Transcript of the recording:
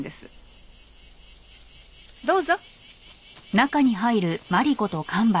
どうぞ！